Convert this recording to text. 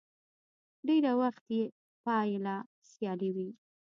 ډېری وخت يې پايله سیالي وي.